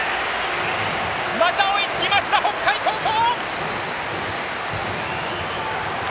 また追いつきました、北海高校！